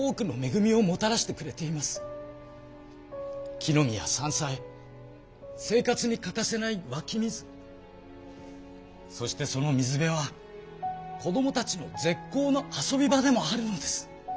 きのみや山菜生活に欠かせないわき水そしてその水辺はこどもたちの絶好の遊び場でもあるんです。